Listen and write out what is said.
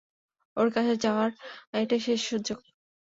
ওর কাছে যাওয়ার এটাই শেষ সুযোগ।